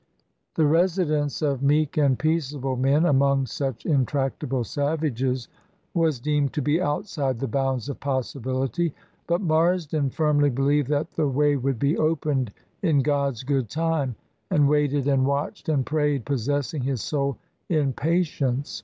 The residence of meek and peaceable men among such intractable savages was deemed to be outside the bounds of possibility; but Marsden firmly believed that the way would be opened in God's good time, and waited and watched and prayed, possessing his soul in patience.